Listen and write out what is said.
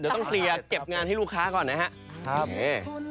เดี๋ยวต้องเคลียร์เก็บงานให้ลูกค้าก่อนนะครับ